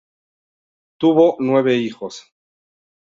Tuvo nueve hijos.